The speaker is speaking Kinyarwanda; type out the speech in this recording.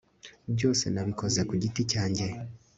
Byose nabikoze ku giti cyanjye